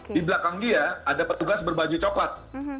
di belakang dia ada petugas berbaju coklat